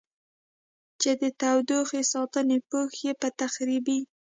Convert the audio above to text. چې د تودوخې ساتنې پوښ یې په تخریبي